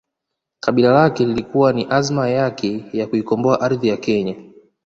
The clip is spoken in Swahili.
Kabila lake lilikuwa ni azma yake ya kuikomboa ardhi ya kenya